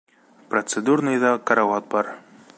Процедурныйҙа карауат бар.